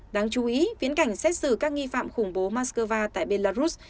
đáng chú ý viễn cảnh xét xử các nghi phạm khủng bố moscow tại belarus